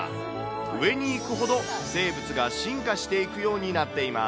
上に行くほど生物が進化していくようになっています。